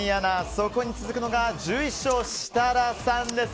そこに続くのが１１勝、設楽さんです。